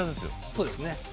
そうですね。